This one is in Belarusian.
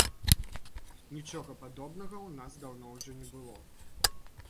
Нічога падобнага ў нас даўно ўжо не было.